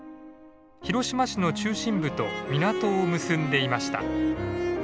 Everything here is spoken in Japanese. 広島市の中心部と港を結んでいました。